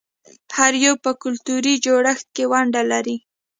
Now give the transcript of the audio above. هر یو په کلتوري جوړښت کې ونډه لري.